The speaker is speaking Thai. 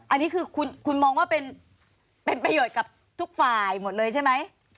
อันนี้คือคุณมองว่าเป็นประโยชน์กับทุกฝ่ายหมดเลยใช่ไหม